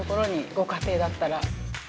ご家庭だったら。